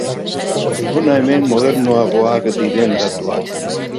Hona hemen modernoagoak diren datuak.